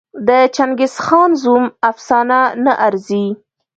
د چنګېزخان زوم افسانه نه ارزي.